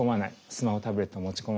スマホタブレット持ち込まない。